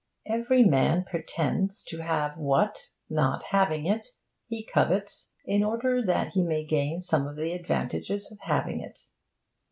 Every man pretends to have what (not having it) he covets, in order that he may gain some of the advantages of having it.